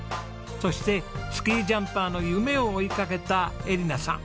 そしてスキージャンパーの夢を追いかけた恵梨奈さん。